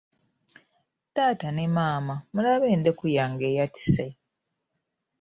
Taata ne maama, mulabe endeku yange eyatise!